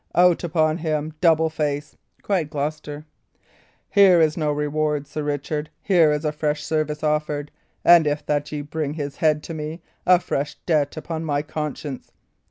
"Out upon him, double face!" cried Gloucester. "Here is no reward, Sir Richard; here is fresh service offered, and, if that ye bring his head to me, a fresh debt upon my conscience.